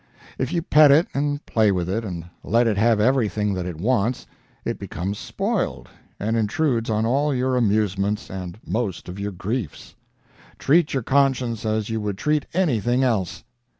If you pet it and play with it and let it have everything that it wants, it becomes spoiled and intrudes on all your amusements and most of your griefs. Treat your conscience as you would treat anything else.